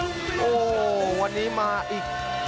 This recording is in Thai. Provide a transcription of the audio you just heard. โอ้โหโอ้โหโอ้โหโอ้โหโอ้โหโอ้โหโอ้โหโอ้โห